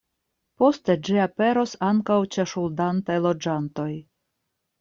Poste ĝi aperos ankaŭ ĉe ŝuldantaj loĝantoj.